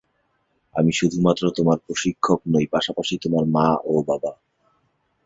আমি শুধুমাত্র তোমার প্রশিক্ষক নই, পাশাপাশি তোমার মা ও বাবা।